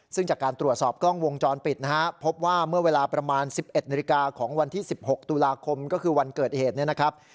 ซึ่งจากการตรวจสอบกล้องวงจรปิดนะฮะพบว่าเมื่อเวลาประมาณ๑๑นาฬิกาของวันที่๑๖ตุลาคมก็คือวันเกิดเหตุเนี่ยนะครับ